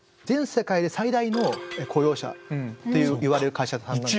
全世界で最大の雇用者といわれる会社さん。